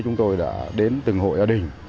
chúng tôi đã đến từng hội gia đình